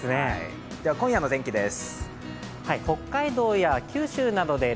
今夜の天気です。